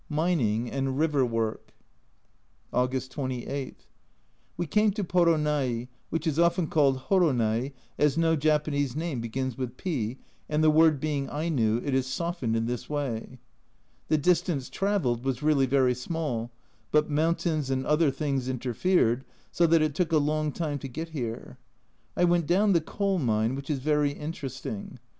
Mining and river work. August 28. We came to Poronai, which is often called Horonai, as no Japanese name begins with P, and the word being Aino it is softened in this way. The distance traversed was really very small, but mountains and other things interfered, so that it took a long time to get here. I went down the coal mine, which is very interesting.